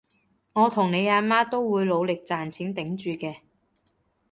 我同你阿媽都會努力賺錢頂住嘅